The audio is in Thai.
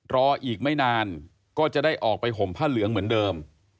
รออีกไม่นานก็จะได้ออกไปห่มผ้าเหลืองเหมือนเดิม